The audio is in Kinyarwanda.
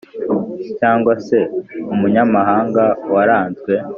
Cyangwa se umunyamahanga waranzwe